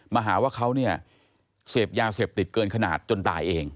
มาหาว่าเขาเนี่ยเสพยาเสพติดเกินขนาดจนตายเอง